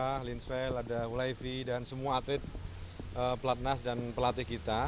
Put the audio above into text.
ada lin swell ada ulaifi dan semua atlet pelatnas dan pelatih kita